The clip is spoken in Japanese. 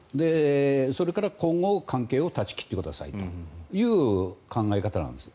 それから今後関係を絶ち切ってくださいという考え方なんです。